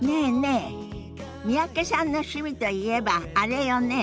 え三宅さんの趣味といえばあれよね。